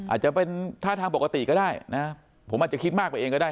อาจจะเป็นท่าทางปกติก็ได้นะผมอาจจะคิดมากไปเองก็ได้